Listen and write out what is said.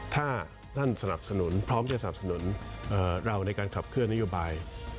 ถ้าท่านสนับสนุนพร้อมจะสนับสนุนเราในการขับเคลื่อนนโยบาย